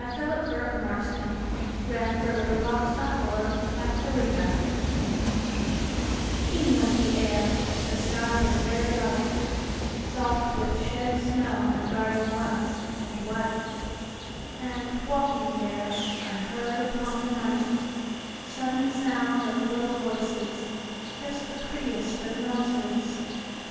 Philip Bourke Marston 1850–87 Garden Fairies KEEN was the air, the sky was very light, Soft with shed snow my garden was, and white, And, walking there, I heard upon the nightSudden sound of little voices, Just the prettiest of noises.